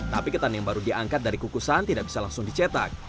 tapi ketan yang baru diangkat dari kukusan tidak bisa langsung dicetak